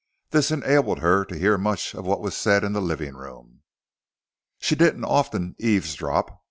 This enabled her to hear much of what was said in the living room. She didn't often eavesdrop.